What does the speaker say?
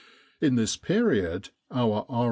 In this period our R.